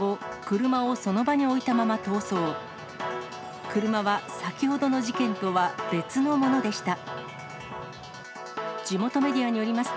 車は先ほどの事件とは別のものでした。